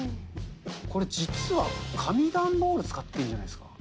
これ実は紙段ボール使っているんじゃないですか。